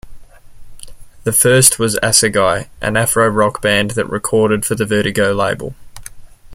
The first was Assagai, an afro-rock band that recorded for the Vertigo label.